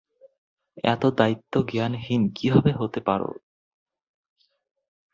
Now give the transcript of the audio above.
এতো দ্বায়িত্বজ্ঞানহীন কীভাবে হতে পারো?